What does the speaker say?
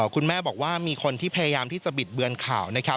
คุณแม่บอกว่ามีคนที่พยายามที่จะบิดเบือนข่าวนะครับ